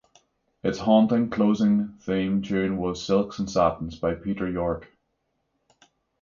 Its haunting closing theme tune was "Silks and Satins" by Peter Yorke.